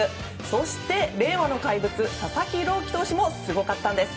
そして、令和の怪物佐々木朗希投手もすごかったんです。